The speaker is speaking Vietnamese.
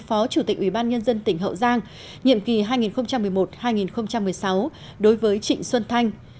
phó chủ tịch ủy ban nhân dân tỉnh hậu giang nhiệm kỳ hai nghìn một mươi một hai nghìn một mươi sáu đối với trịnh xuân thanh